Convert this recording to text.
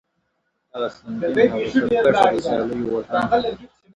هغه سنګین، هغه سرکښه د سیالیو وطن.!